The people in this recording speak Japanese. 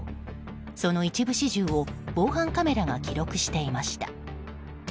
その一部始終を防犯カメラが記録していました。